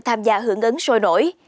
tham gia hưởng ứng sôi nổi